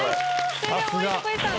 それでは森迫永依さん